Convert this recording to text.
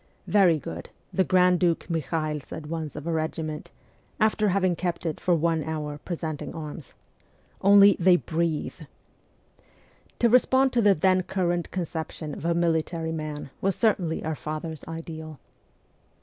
'Very good,' the Grand Duke Mikhael said once of a regiment, after having kept it for one hour presenting arms ' only they breathe \' To respond to the then current conception of a military man was certainly our father's ideal.